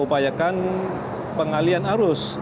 upayakan pengalian arus